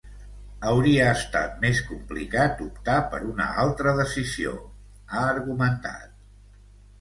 Hauria estat més complicat optar per una altra decisió, ha argumentat.